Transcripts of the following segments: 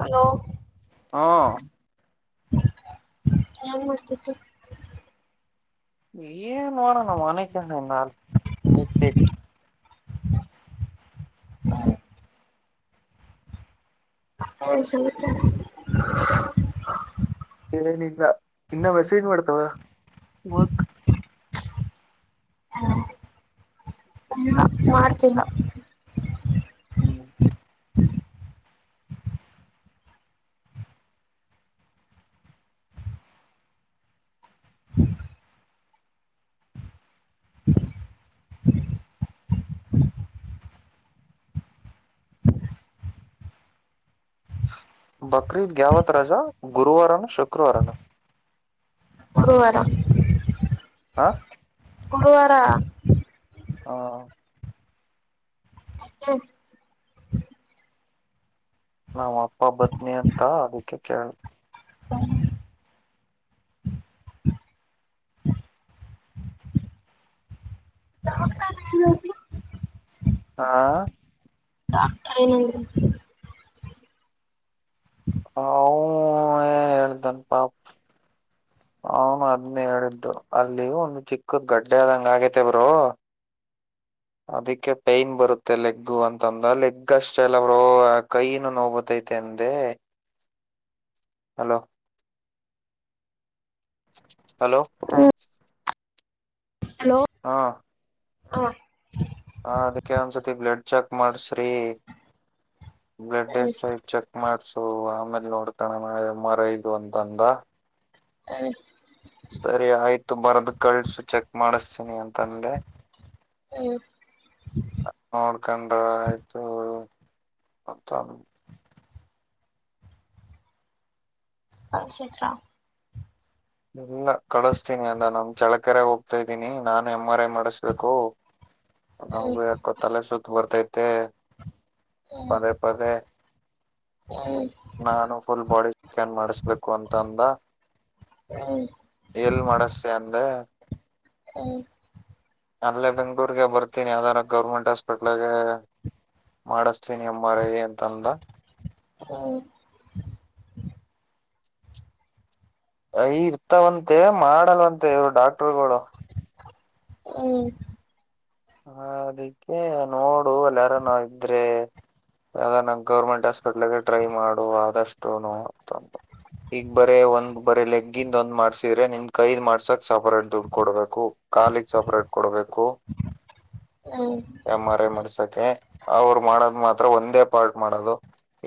Hello ಹಾಂ ಏನ್ ಮಾಡ್ತಿದ್ದಿ. ಏನ್ ನೋಡವ್ವ ಮನೆಕಂಡಿನ್ ನಾನ್ ಮುತ್ತಿಟ್ ಹಾ ಏನ್ ಸಮಾಚಾರ ಏನ್ ಇಲ್ಲ ಇನ್ನ ಮೆಸೇಜ್ ಮಾಡ್ತಾಳ ಮಲ್ಕ್ ಹ್ಮ ಇನ್ನು ಮಾಡ್ತಿಲ್ಲ. ಹ್ಮ್ ಬಕ್ರೀದ್ಗ್ ಯಾವತ್ ರಜಾ ಗುರುವಾರನ ಶುಕ್ರವಾರನ? ಹುರುವಾರ ಹಾ ಗುರುವಾರ ಹಾ ಅಜ್ಜಿ ನಮ್ ಅಪ್ಪ ಬತ್ನಿ ಅಂತ ಅದಕ್ಕೆ ಕೇಳ್ದೆ. ಹಾ ಟೈಮಲ್ರಿ ಅವ ಏನ್ ಹೇಳತನ್ ಪಾಪ್ ಅವ್ನು ಅದ್ನೇ ಹೇಳಿದ್ದು ಅಲ್ಲಿ ಒಂದು ಚಿಕ್ಕುದ್ ಗಡ್ಡೆ ಆದಂಗ್ ಆಗೇತೆ ಬ್ರೋ. ಅದಕ್ಕೆ ಪೈನ್ ಬರುತ್ತೆ ಲೆಗ್ ಅಂತಂದ ಲೆಗ್ ಅಷ್ಟೆ ಅಲ್ಲ ಬ್ರೋ ಕೈನುೂ ನೋವ್ ಬತೈತೆ ಅಂದೆ. ಹಲೋ [inaudible] ಹಲೋ ಹಾ ಹಾ ಹ ಅದಕ್ಕೆ ಒಂದ್ಸತಿ ಬ್ಲಡ್ ಚೆಕ್ ಮಾಡಸ್ರಿ ಬ್ಲಡ್ ಹ್ಮ್ [unintelligible] ಚೆಕ್ ಮಾಡ್ಸ್ ಸೊ ಆಮೇಲೆ ನೋಡ್ಕೋಣನ ಎಮ್ ಆರ್ ಐದು ಅಂತಂದ. ಅಯ್ ಹ್ಮ್ ಸರಿ ಆಯ್ತು ಬರ್ದ್ ಕಳ್ಸು ಚೆಕ್ ಮಾಡಿಸ್ತೀನಿ ಅಂತಂದೆ ಹ್ಮ್ ನೋಡ್ಕಂಡ್ರ ಆಯ್ತು ಮತ್ತನ್ ಕಳ್ಸಿದ್ರ ಇಲ್ಲ ಕಳಸ್ತೀನಿ ಅಂದ ನಮ್ ಚಳಕರೆ ಹೋಗ್ತಾ ಇದ್ದೀನಿ ನಾನು ಎಂ ಆರ್ ಐ ಮಾಡಿಸ್ಬೇಕು ಹ್ಮ್ ನಂಗು ಯಾಕೊ ತಲೆ ಸುತ್ ಬರ್ತೈ ತೆಳ್ ಹ್ಮ್ ಪದೇ ಪದೇ ಹ್ಮ್ ನಾನು ಫುಲ್ ಬಾಡಿ ಸ್ಕ್ಯಾನ್ ಮಾಡಿಸ್ಬೇಕು ಅಂತಂದ ಹ್ಮ್ ಎಲ್ ಮಾಡುಸ್ತೀಯ ಅಂದೆ ಹ್ಮ್ ಅಲ್ಲೇ ಬೆಂಗ್ಳೂರ್ಗೆ ಬರ್ತೀನಿ ಯಾದಾರ ಗೌರ್ಮೆಂಟ್ ಹಾಸ್ಪಿಟ್ಲುಗೆ ಮಾಡಿಸ್ತೀನಿ ಎಮ್ ಆರ್ ಐ ಅಂತಂದ ಉಮ್ ಐ ಇರ್ತವಂತೆ ಮಾಡಲ್ವಂತೆ ಇವ್ರ್ ಡಾಕ್ಟ್ರುಗಳು ಹ್ಮ್ ಹ ಅದಕ್ಕೆ ನೋಡು ಅಲ್ಲಾರು ನಾ ಇದ್ರೆ ಯಾವ ನ ಗೌರ್ಮೆಂಟ್ ಹಾಸ್ಪಿಟ್ಲ್ಗೆ ಟ್ರೈ ಮಾಡು ಆದಷ್ಟುನು ಅಂತಂದ್ ಈಗ ಬರೇ ಒಂದ್ ಬರೀ ಲೆಗ್ಗಿಂದ ಒಂದ್ ಮಾಡ್ಸಿದ್ರೆ ನಿಮ ಕೈದ್ ಮಾಡ್ಸಕ್ ಸಪರೇಟ್ ದುಡ್ಡು ಕೊಡ್ಬೇಕು ಕಾಲಿಗ್ ಸಪರೇಟ್ ಕೊಡ್ಬೇಕು. ಹ್ಮ್ ಎಂ ಆರ್ ಐ ಮಾಡ್ಸಕ್ಕೆ ಅವರು ಮಾಡೋದ ಮಾತ್ರ ಒಂದೇ ಪಾರ್ಟ್ ಮಾಡೋದು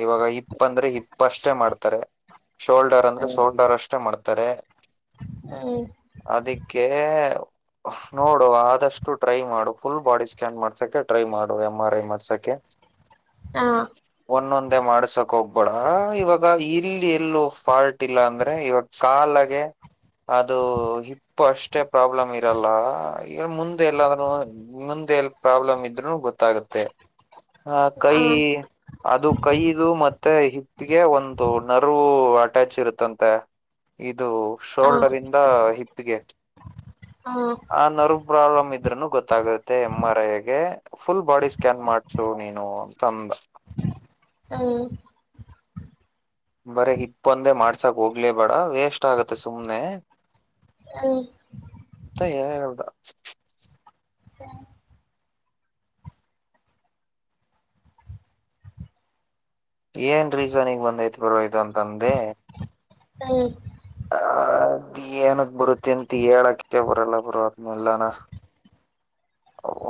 ಇವಾಗ ಹಿಪ್ ಅಂದ್ರೆ ಹಿಪ್ ಅಷ್ಟೇ ಮಾಡ್ತಾರೆ. ಶೋಲ್ಡರ್ ಅಂದ್ರೆ ಶೋಲ್ಡರ್ ಅಷ್ಟೇ ಮಾಡ್ ತ್ತರೆ ಹ್ಮ್ ಕ್ಕೇ ನೋಡು ಆದಷ್ಟು ಟ್ರೈ ಮಾ ಫುಲ್ ಬಾಡಿ ಸ್ಕ್ಯಾನ್ ಮಾಡ್ಸಕ್ಕೆ ಟ್ರೈ ಮಾಡು ಎಂ ಆರ್ ಐ ಮಾಡ್ಸಕ್ಕೆ ಆ ಮಾಡಸೋಕ್ ಹೋಗ್ಬೇಡ ಬಇವಾಗ ಇಲ್ಲಿ ಎಲ್ಲೂ ಫಾಲ್ಟ್ ಇಲ್ಲ ಅಂದ್ರೆ ಇವಾಗ ಕಾಲಾಗೆ ಅದು ಹಿಪ್ ಅಷ್ಟೇ ಪ್ರಾಬ್ಲಮ್ ಇರಲ್ಲ ಈಗ ಮುಂದೆ ಎಲ್ಲಾದ್ರು ಮುಂದೆಲ್ ಪ್ರಾಬ್ಲಮ್ ಇದ್ರೂ ಗೊತ್ತಾಗುತ್ತೆ. ಆ ಹಾ ಕೈ ಹಾ ಹಾ ಹ್ಮ್ ಅದು ಕೈದು ಮತ್ತೆ ಹಿಪ್ಗೆ ಒಂದು ನರ್ವು ಅಟ್ಯಾಚ್ ಇರುತ್ತಂತೆ ಇದ್ ಇದು ಶೋಲ್ಡರ್ ಇಂದ ಹಿಪ್ ಪಿಗೆ ಹಾ ನರ್ವ್ ಪ್ರಾಬ್ಲಮ್ ಇದ್ರೂನು ಗೊತ್ತಾಗ ತ್ತೆ ಎಮ್ ಆರ್ ಐಗೆ ಫುಲ್ ಬಾಡಿ ಸ್ಕ್ಯಾನ್ ಮಾಡ್ಸು ನೀನು ಅಂತ ಅಂದ. ಹ್ಮ್ ಬರ ಹಿಪ್ಪೊಂದೇ ಮಾಡ್ಸಕ್ ಹೋಗ್ಲೆ ಬೇಡ ವೇಸ್ಟ್ ಆಗತ್ತೆ ಸುಮ್ನೆ. ಹ್ಮ ಅಂತ ಹೇಳ್ದ ಏನ್ ರೀಸನ್ಗ್ ಬಂದೈತ್ ಬ್ರೋ ಇದು ಅಂತಂದೆ ಹ್ಮ ಅ ಅ ಅದ್ ಏನಕ್ ಬರುತ್ತೆ ಅಂತ ಹೇಳಕ್ಕೆ ಬರಲ್ಲ ಬ್ರೋ ಅದ್ನೆಲ್ಲನ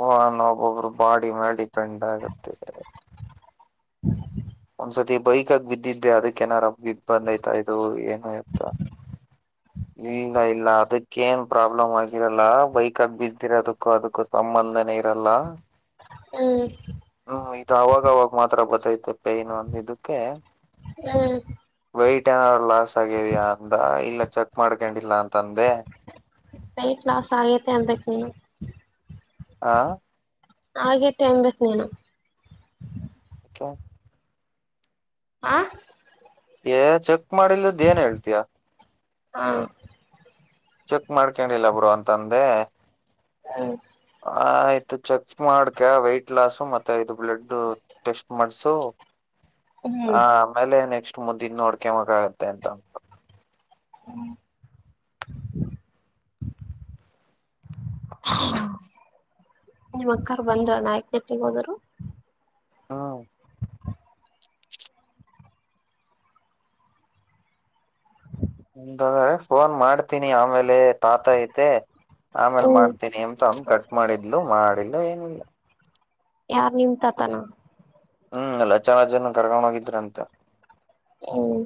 ಒನ್ ಒಬ್ಬೊಬ್ರು ಬಾಡಿ ಮೇಲ್ ಡಿಪೆಂಡ್ ಆಗುತ್ತೆ. ಒಂದ್ಸತಿ ಬೈಕಗ ಬಿದ್ದಿದ್ದೆ ಅದಿಕ್ಕೆನಾರ ಬಿಗ್ ಬಂದೈತ ಇದು ಏನು ಎತ್ತ ಇಲ್ಲ ಇಲ್ಲ ಅದಕ್ಕೇ ಏನ್ ಪ್ರಾಬ್ಲಮ್ ಆಗಿರಲ್ಲ ಬೈಕಾಗ್ ಬಿದ್ದಿರದುಕ್ಕು ಅದಕ್ಕೂ ಸಂಬಂಧನೇ ಇರಲ್ಲ. ಹ್ಮ್ ಹ್ಮ್ ಇದು ಅವಾಗವಾಗ ಮಾತ್ರ ಬತ್ತೈತೆ. ಕೈ ನೋವ್ ಅಂದಿದುಕ್ಕೆ ವೈಟ್ ಏನಾದ್ರೂ ಲಾಸ್ ಆಗಿದಯ ಅಂದ ಇಲ್ಲ ಚೆಕ್ ಮಾಡ್ಕೊಂಡಿಲ್ಲ ಅಂತ ಅಂದೆ ವೈಟ್ ಲಾಸ್ ಆಗೈತೆ ಅಂದಕ್ಕೆ ಆ ಆಗೈತೆ ಅನ್ಬೇಕ್ ನೀನು. ಅ ಆಾ ಏ ಚೆಕ್ ಮಾಡಿಲ್ಲದ್ ಏನ್ ಹೇಳ್ತಯಾ ಹಾ ಚೆಕ್ ಮಾಡ್ಕೊಂಡಿಲ್ಲ ಬರುೋ ಅಂತಂದೆ ಹ್ಮ್ ಆ ಆಯ್ತು ಚೆಕ್ ಮಾಡ್ಕ ವೈಟ್ ಲಸ್ು ಮತ್ತೆ ಇದು ಬ್ಲಡ್ ಟೆಸ್ಟ್ ಮಾಡ್ಸು ಹ್ಮ್ ಆ ಆಮೇಲೆ ನೆಕ್ಸ್ಟ್ ಮುಂದಿಂದ ನೋಡ್ಕೊಕ್ ಆಾಗತ್ತೆ ಅಂತ ನಿಮ್ಮ್ ಅಕ್ಕಾರ್ ಬಂದ್ರ ನಾಯಕ್ನೆಟ್ನಿಗೆ ಹೋದರು ಹಾ [inaudible] ಾದ್ರೆ ಫೋನ್ ಮಾಡ್ತೀನಿ ಆಮೇಲೆ ತಾತ ಐತೆ ಆಮೇಲೆ ಹ್ಮ್ ಮಾಡ್ತೀನಿ ಅಂತ ಅ ಗಟ್ ಮಾಡಿದ್ಲು ಮಾಡಿಲ್ಲ ಏನಿಲ್ಲ. ಯಾರ್ ನಿಮತತನ ಹ್ಮ್ ಲಚಾರ ಜನ ಕರ್ಕೊಂಡ ಹೋಗಿದ್ರಂತ ಹ್ಮ್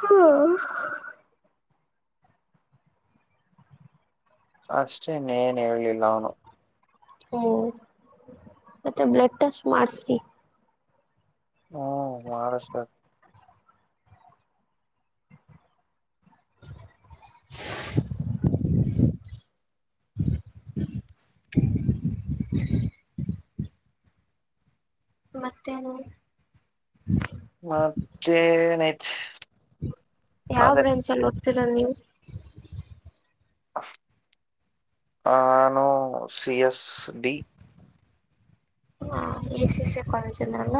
ಹ್ಮ್ ಅಷ್ಟೇನ್ೇನ್ ಹೇಳೇಲಿಲ್ಲ ಅವನು ಮತ್ತೆ ಬ್ಲಡ್ ಟೆಸ್ಟ್ ಮಾಡ್ಸ್ರಿ ಹ್ಮ ಮಹಾರಾಷ್ಟ್ರ ಮತ್ತೇನು ಮತ್ತ ನತ್ ಯಾವ ಬ್ರಾಂಚ್ ಅೋ ಚರನ್ವು [unintelligible] ಆಾನೋ ಸಿ ಎಸ್ ಡಿ ಹಾ ಎ ಎ ಕಜಲ್ಲ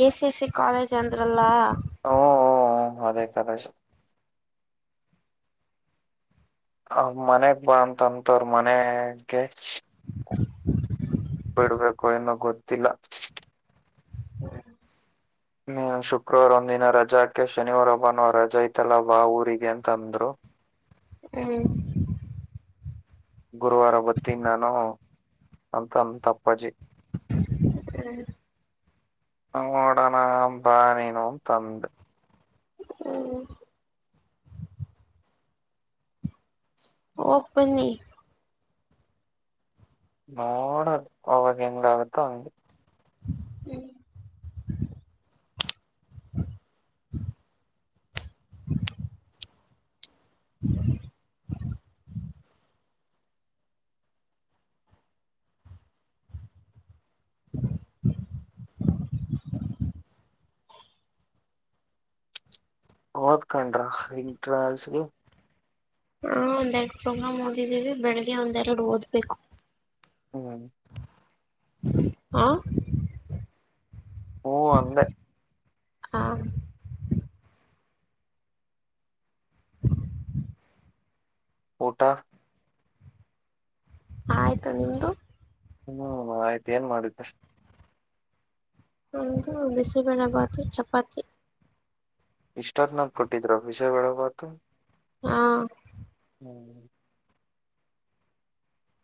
A C A C college ಅಂದ್ರಲ್ಲ ಹಓ ಹಓ ಅದೇ ಕದೇಶ ಆ ಮನೆಗ್ ಬಂತಂತವ್ರ ಮನೆಗೆ ಬಿಡ್ಬೇಕು ಎನ್ನೋ ಗೊತ್ತಿಲ್ಲ ಶುಕ್ರವಾರ ಒಂದಿನ ರಜಾಕೆ ಶನಿವಾರ ಒಬ್ಬನ ರಜಾ ಐತಲ್ಲ ವಾ ಊರಿಗೆ ಅಂತಂದ್ರು ಹ್ಮ್ ಗುರುವಾರ ಬತೀಿನಿ ನಾನು ಅಂತಂದ ತಪ್ಪಾಜಿ ಹ್ಮ್ ನೋಡೋಣ ಅ ಬಾ ನೀನು ಅಂತಂದ ಹ್ಮ್ ಹೋಗ ಬನ್ನಿ ನೋಡದು ಅವಾಗ ಹೆಂಗ್ ಆಗುತ್ತು ಹಂಗೆ ಬದ ಕಂಡ್ರ್ರಸಗ ಒಂದ್ೆರಡು ಪ್ರೋಗ್ರಾಮ್ ಓದಿದ್ದೀವಿ ಬೆಳಿಗ್ಗೆ ಒಂದ್ೆರಡು ಓದ್ಬೇಕು ಹ್ಮ್ ಹಾ ಹೂ ಅಂದ ಹಾ [inaudible] ಊಟ ಹಣಾಯತ ನೀಿಮದು ಹ್ಮ್ ಆಯ್ತು ಏನ್ ಮಾಡಿದ್ದ ಹ ಬಿಸಿಬಣೆ ಭಾತು ಚಪಾತಿ ಇಷ್ಟತ್ ನ ಕೊಟ್ಟಿದ್ರಫೀಸರ್ ಬತು ಹಾ ಹ್ಮ್ [inaudible]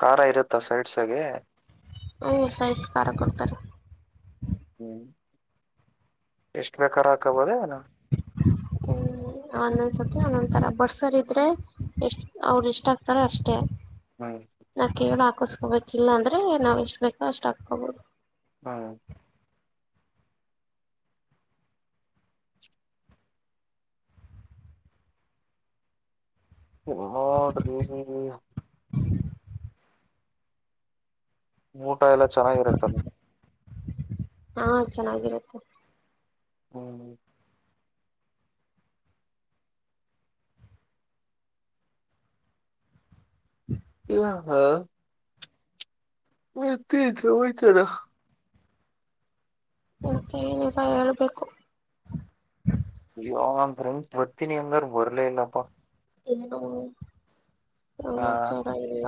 ಖಾರ ಇರುತ್ತಾ ಸೈಡ್ಸಗೆೆ ಹ ಸೈನ್ಸ್ ಕಾರ್ಯಕರ್ತಾರೆ ಹ್ಮ್ ಎಷ್ಟ್ ಬೇಕಾರ್ ಹಕಬೋದೇನ ಹ್ಮ್ ಒಂದೊಂದ್ಸತಿ ಒಂದೊಂದ್ ತರ ಬಡ್ಸರ್ ಇದ್ರೆ ಎಷ್ಟ್ ಅವರು ಇಷ್ಟ ಆಗ್ತಾರ ಅಷ್ಟೇ ಹ್ಮ್ ನಕ್ಕಿಗ ಹಾಕಸ್ಕೋಬೇಕಿಲ್ಲ ಅಂದ್ರೆ ನಾವ್ ಎಷ್ಟ್ ಬೇಕೋ ಅಷ್ಟ್ ಹಾಕೋಬೋದು ಹ್ಮ್ ನೋಡ್ರಿ ನೀವ್ ಊಟ ಎಲ್ಲ ಚೆನ್ನಾಗಿರುತ್ತ ಅಲ್ಲಿ ಹಾ ಚೆನ್ನಾಗಿರುತ್ತೆ ಹ್ಮ್ ಯ ಹ ಮತ್ತೇನ್ ಸಮಾಚಾರ ಮತ್ತೆನಿಲ್ಲ ಹೇಳ್ಬೇಕು. [unintelligible] ಬತ್ತಿನಿ ಅಂದರ್ ಬರ್ಲೆ ಇಲ್ಲಪ್ಪ [unintelligible] ಹಾ ಸಮಾಚಾರ ಇಲ್ಲ.